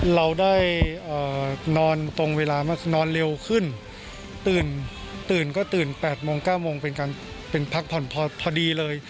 เราได้นอนตรงเวลามากนอนเร็วขึ้นตื่นก็ตื่น๘โมง๙โมงเป็นการเป็นพักผ่อนพอดีเลย